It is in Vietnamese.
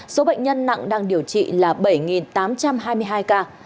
số bệnh nhân nặng đang điều trị là bảy tám trăm hai mươi hai ca